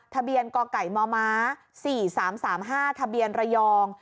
ทะเบียนกไก่มม๔๓๓๕ทะเบียนระยอง